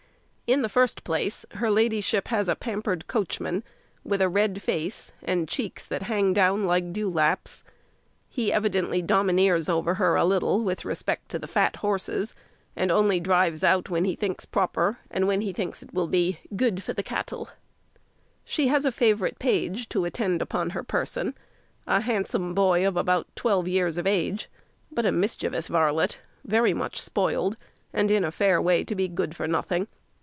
In the first place, her ladyship has a pampered coachman, with a red face, and cheeks that hang down like dewlaps. He evidently domineers over her a little with respect to the fat horses; and only drives out when he thinks proper, and when he thinks it will be "good for the cattle." [Illustration: The Old Coachman] She has a favourite page to attend upon her person; a handsome boy of about twelve years of age, but a mischievous varlet, very much spoiled, and in a fair way to be good for nothing.